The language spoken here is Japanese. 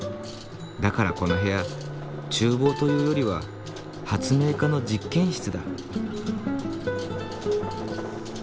だからこの部屋厨房というよりは発明家の実験室だ。